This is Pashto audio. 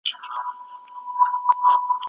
حیات الله ته د ماشومتوب ورځې یو خوب ښکاري.